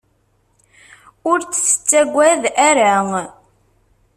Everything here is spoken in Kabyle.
Ur t-tettagad ara.